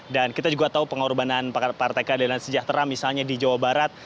dan kita juga tahu pengorbanan partai keadilan sejahtera misalnya di jawa barat